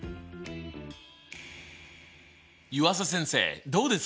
湯浅先生どうですか？